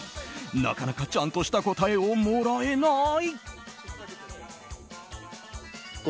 なかなかちゃんとした答えをもらえない。